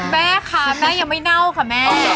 แม่ค่ะแม่ยังไม่เน่าค่ะแม่